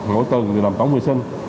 mỗi tuần thì làm tổng vệ sinh